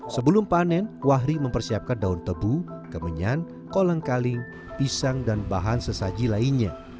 sebelum panen wahri mempersiapkan daun tebu kemenyan kolang kaling pisang dan bahan sesaji lainnya